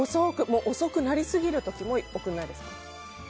遅くなりすぎる時も送らないですか？